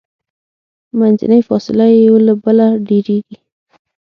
منځنۍ فاصله یې یو له بله ډیریږي.